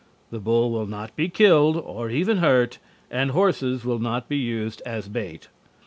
The bull will not be killed, or even hurt, and horses will not be used as bait.